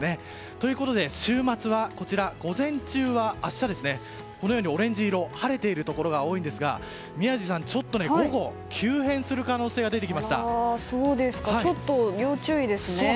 ということで、週末は明日の午前中はこのようにオレンジ色晴れているところが多いんですが宮司さん、ちょっと午後ちょっと要注意ですね。